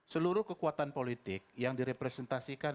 seluruh kekuatan politik yang direpresentasikan